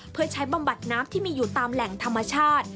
เพื่อใช้บำบัดน้ำที่มีอยู่ตามแหล่งธรรมชาติ